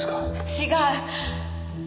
違う！